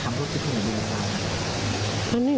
มีมีแล้วมี